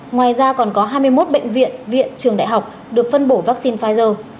ngoài ra còn có hai mươi một bệnh viện viện trường đại học được phân bổ vaccine pfizer